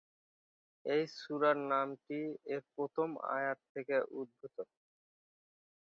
এই সুরার নাম টি এর প্রথম আয়াত থেকে উদ্ভূত।